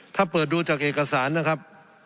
ถ้าเปิดดูจากเอกสารนะครับ